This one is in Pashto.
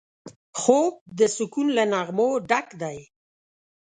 خوب د سکون له نغمو ډک دی